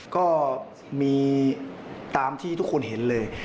ก็มีตามที่ทุกคนเห็นเลย